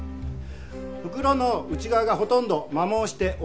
袋の内側がほとんど摩耗しておりません。